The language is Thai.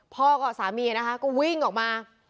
กับสามีนะคะก็วิ่งออกมา